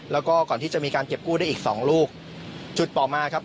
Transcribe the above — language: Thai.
แล้วก็ก่อนที่จะมีการเก็บกู้ได้อีกสองลูกจุดต่อมาครับ